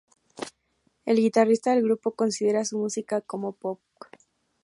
El guitarrista del grupo considera su música como Pop.